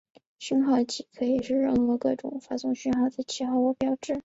讯号旗可以是任何各种用来发送讯号的旗号或标志。